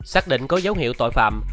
xác định có dấu hiệu tội phạm